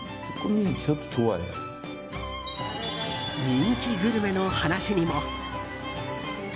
人気グルメの話にも。